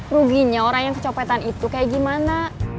ruginya orang yang kecopetan itu kayak gimana